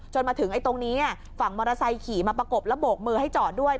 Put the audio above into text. มาถึงตรงนี้ฝั่งมอเตอร์ไซค์ขี่มาประกบแล้วโบกมือให้จอดด้วย